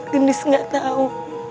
gendis gak tau